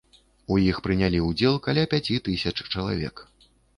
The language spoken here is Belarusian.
У іх прынялі ўдзел каля пяці тысяч чалавек.